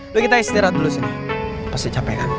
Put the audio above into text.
lo kita istirahat dulu sini pasti capekan